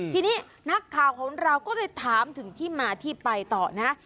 ทีนี้นักข่าวของเราก็เลยถามถึงที่มาที่ไปต่อนะ